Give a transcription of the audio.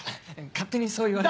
勝手にそう言われ。